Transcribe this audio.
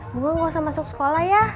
bunga nggak usah masuk sekolah ya